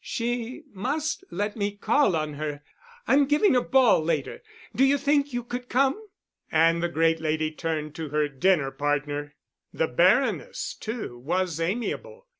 She must let me call on her. I'm giving a ball later. Do you think you could come?" And the great lady turned to her dinner partner. The Baroness, too, was amiable.